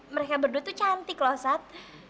mereka berdua tuh cantik loh saat